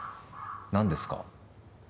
何ですか？